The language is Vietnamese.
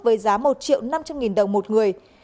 với giá một triệu năm trăm linh nghìn đồng một người